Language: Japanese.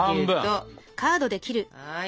はい。